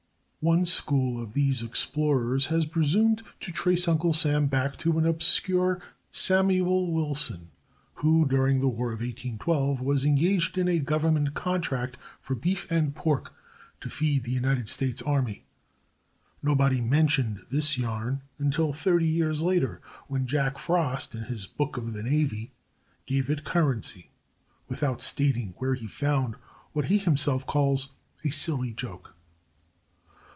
One school of these explorers has presumed to trace Uncle Sam back to an obscure Samuel Wilson, who during the War of 1812 was engaged in a government contract for beef and pork to feed the United States army. Nobody mentioned this yarn until thirty years later, when Jack Frost in his Book of the Navy gave it currency, without stating where he found what he himself calls "a silly joke."